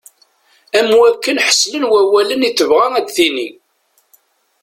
Am wakken ḥeslen wawalen i tebɣa ad d-tini.